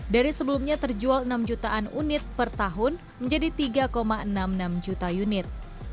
dari sebelumnya terjual enam jutaan unit per tahun menjadi tiga enam puluh enam juta unit